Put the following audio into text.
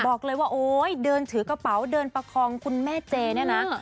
บอกเลยว่าโอ๊ยเดินถือกระเป๋าเดินประคองคุณแม่เจเนี่ยนะ